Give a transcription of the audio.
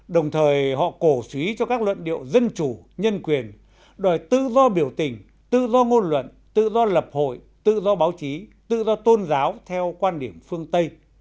đồng thời họ cổ suý cho các luận điệu dân chủ nhân quyền đòi tự do biểu tình tự do ngôn luận tự do lập hội tự do báo chí tự do tôn giáo theo quan điểm phương tây